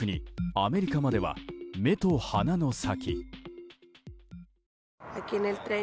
アメリカまでは目と鼻の先。